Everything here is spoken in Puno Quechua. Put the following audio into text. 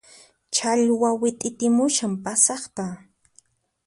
Challwa wit'itimushan pasaqta